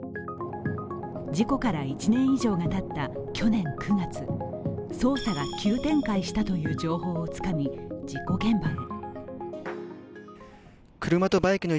事故から１年以上がたった去年９月捜査が急展開したという情報をつかみ、事故現場へ。